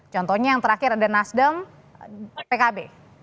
contohnya yang terakhir ada nasdem pkb